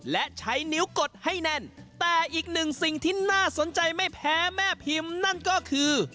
และใช้นิ้วกดให้แน่นแต่อีกหนึ่งสิ่งที่น่าสนใจไม่แพ้แม่พิมพ์นั่นก็คือ